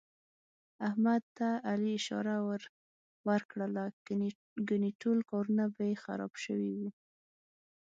احمد ته علي اشاره ور کړله، ګني ټول کارونه به یې خراب شوي وو.